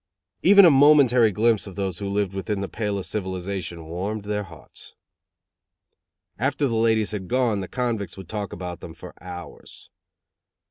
Even a momentary glimpse of those who lived within the pale of civilization warmed their hearts. After the ladies had gone the convicts would talk about them for hours.